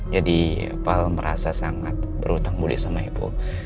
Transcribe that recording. jadi pak al merasa sangat berhutang budi sama ibu